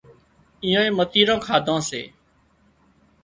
ايئانئي متيران ڪاڌان سي